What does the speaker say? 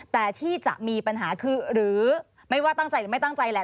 แต่ที่จะมีปัญหาคือหรือไม่ว่าตั้งใจหรือไม่ตั้งใจแหละ